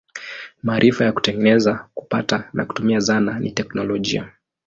Maarifa ya kutengeneza, kupata na kutumia zana ni teknolojia.